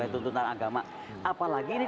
tuntutan agama apalagi ini